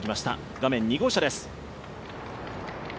画面は２号車です。